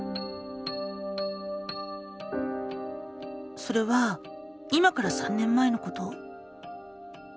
それは今から３年前のこと。